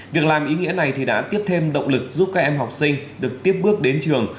việc làm ý nghĩa này thì đã tiếp thêm động lực giúp các em học sinh được tiếp bước đến trường